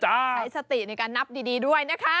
ใช้สติในการนับดีด้วยนะคะ